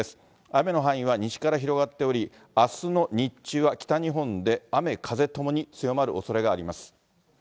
雨の範囲は西から広がっており、あすの日中は北日本で雨、風ともに強まるおそれがあります。